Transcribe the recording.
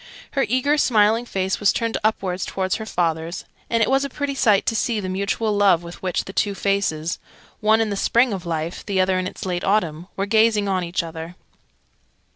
Her eager smiling face was turned upwards towards her father's, and it was a pretty sight to see the mutual love with which the two faces one in the Spring of Life, the other in its late Autumn were gazing on each other.